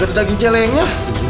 gak ada daging calengnya